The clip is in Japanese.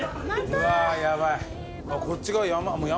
うわこっち側山